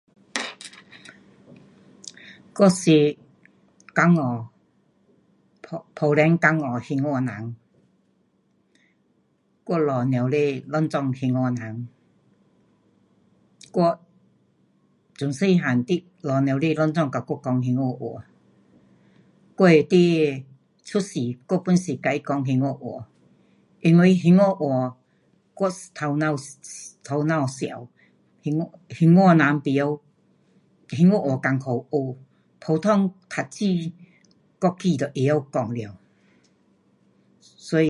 我是江下，莆，莆田江下兴华人。我父母亲全部兴华人。我从小个直父母亲全部跟我讲兴华话。我的孩儿出世我pun是跟他讲兴华话。因为兴华话我头脑[um]头脑想，兴华人甭晓，兴华话困苦学，普通读书国语都会晓讲了。所以